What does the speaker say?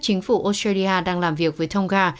chính phủ australia đang làm việc với tôn nga